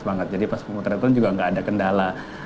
banget jadi pas pemotretan juga nggak ada kendala